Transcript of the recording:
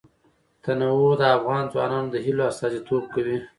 تنوع د افغان ځوانانو د هیلو استازیتوب کوي.